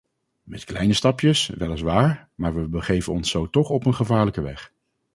Met kleine stapjes, weliswaar, maar we begeven ons zo toch op een gevaarlijke weg.